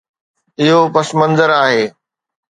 اهو پس منظر آهي.